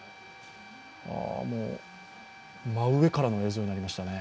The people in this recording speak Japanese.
もう真上からの映像になりましたね。